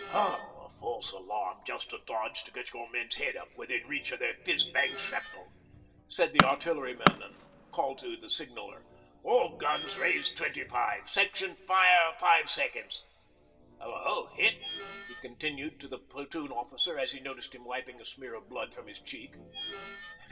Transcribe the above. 'All a false alarm just a dodge to get your men's heads up within reach of their Fizz Bangs' shrapnel,' said the artilleryman, and called to the signaller. 'All guns raise twenty five. Section fire five seconds. ... Hullo hit?' he continued to the Platoon officer, as he noticed him wiping a smear of blood from his cheek.